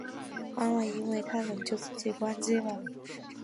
妈妈因为太冷就自己关机了